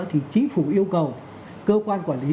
thì chính phủ yêu cầu cơ quan quản lý